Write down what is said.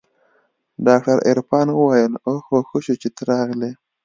ډاکتر عرفان وويل اوهو ښه شو چې ته راغلې.